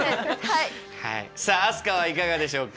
はいさあ飛鳥はいかがでしょうか？